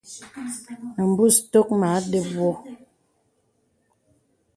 Nə̀ bùs tōk mə a dəp wɔ.